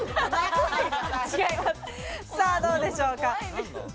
さあどうでしょうか。